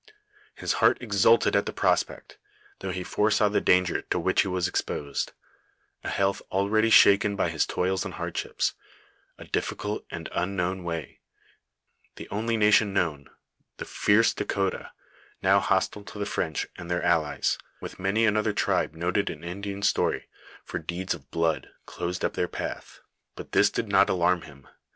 His heart exulted at the prospect, though he foresaw the danger to which he was exposed, a health already shaken by his toils md hardships, a difficult and unknown way, the only nation known — aie fierce Dahcotah — now hostile to the French and thoir al; fcs, with Jiiany another tribe noted in Indian story for de^vis of blood, closed up their path. But ''ah did not alarm him.